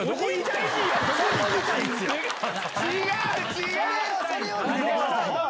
違う！